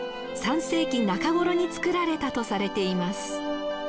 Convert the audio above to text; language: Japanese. ３世紀中頃に造られたとされています。